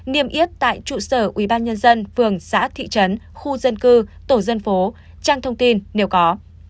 niêm yết tại trụ sở ubnd phường xã thị trấn khu dân cư tổ dân phố trang thông tin nếu có